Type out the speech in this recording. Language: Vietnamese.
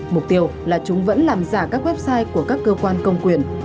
mục tiêu là chúng vẫn làm giả các website của các cơ quan công quyền